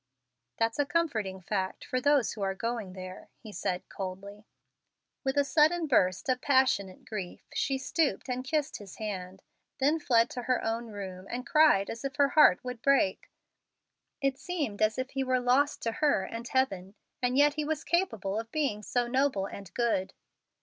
"That's a comforting fact for those who are going there," he said, coldly. With a sudden burst of passionate grief she stooped and kissed his hand, then fled to her own room, and cried as if her heart would break. It seemed as if he were lost to her and heaven, and yet he was capable of being so noble and good!